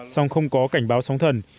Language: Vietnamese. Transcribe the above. song không có cảnh báo sóng thần